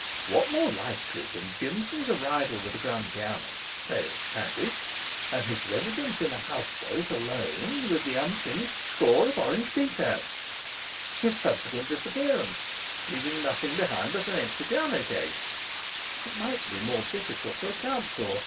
What more likely than Jimson's arrival with a grand piano (say, at Padwick), and his residence in a houseboat alone with the unfinished score of Orange Pekoe? His subsequent disappearance, leaving nothing behind but an empty piano case, it might be more difficult to account for.